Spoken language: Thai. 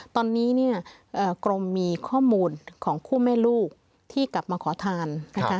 ตอนนี้เนี่ยกรมมีข้อมูลของคู่แม่ลูกที่กลับมาขอทานนะคะ